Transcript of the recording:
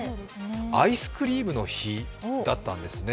アイスクリームの日だったんですね。